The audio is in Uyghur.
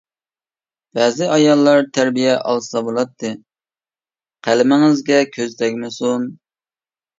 بەزى ئاياللار تەربىيە ئالسا بولاتتى؟ ؟ قەلىمىڭىزگە كۆز تەگمىسۇن!